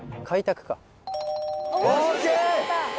かいたく！